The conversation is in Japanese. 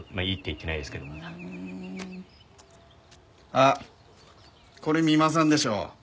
あっこれ三馬さんでしょ。